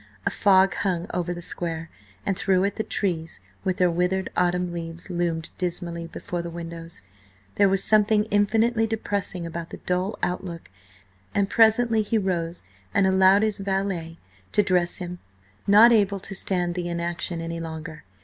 A fog hung over the Square, and through it the trees, with their withered, autumn leaves, loomed dismally before the windows. There was something infinitely depressing about the dull outlook, and presently he rose and allowed his valet to dress him, not able to stand the inaction any longer.